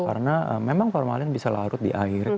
karena memang formalin bisa larut di air